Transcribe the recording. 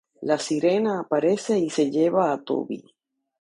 La sirena aparece y se lleva a Toby.